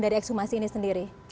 dari ekshumasi ini sendiri